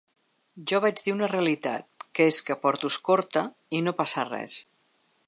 Jo vaig dir una realitat, que és que porto escorta i no passa res.